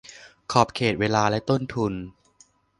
ขอบเขต เวลา และต้นทุน